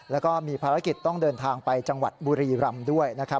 แล้วก็มีภารกิจต้องเดินทางไปจังหวัดบุรีรำด้วยนะครับ